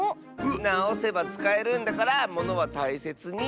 なおせばつかえるんだからものはたいせつに。